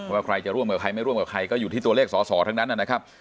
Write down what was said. ว่าใครจะร่วมกับใครไม่ร่วมกับใครก็อยู่ที่ตัวเลขสอสอทั้งนั้นนะครับ